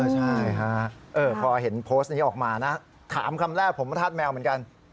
ใช่ฮะพอเห็นโพสต์นี้ออกมานะถามคำแรกผมธาตุแมวเหมือนกัน